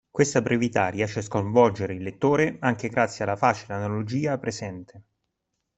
Questa brevità riesce a sconvolgere il lettore anche grazie alla facile analogia presente.